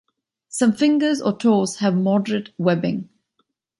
Some fingers or toes have moderate webbing.